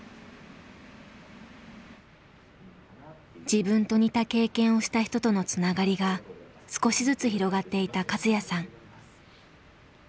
自分と似た経験をした人とのつながりが少しずつ広がっていたカズヤさん。